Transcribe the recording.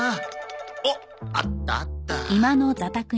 おっあったあった。